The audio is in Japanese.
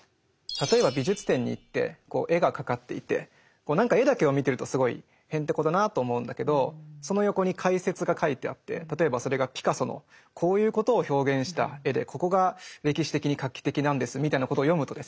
例えば美術展に行って絵がかかっていて何か絵だけを見てるとすごいへんてこだなと思うんだけどその横に解説が書いてあって例えばそれがピカソのこういうことを表現した絵でここが歴史的に画期的なんですみたいなことを読むとですね